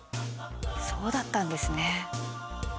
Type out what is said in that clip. そうだったんですね。